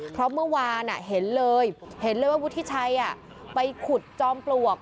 เพราะเมื่อวานเห็นเลยวุฒิชัยไปขุดจอมปลวก